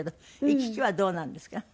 行き来はどうなんですか？